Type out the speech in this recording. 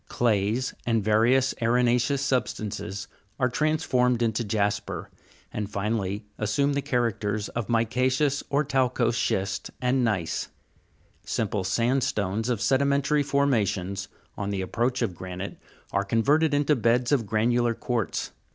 Clays, and various arena'ceous sub stances are transformed into jasper, and finally assume the characters of mica'ceous or talcose schist, and gneiss. Simple sandstones of sedimentary formations, on the approach of granite, are converted into beds of granular quartz.